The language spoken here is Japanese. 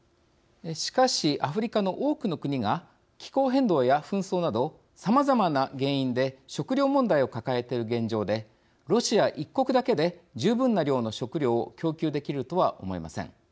しかしアフリカの多くの国が気候変動や紛争などさまざまな原因で食料問題を抱えている現状でロシア１国だけで十分な量の食料を供給できるとは思えません。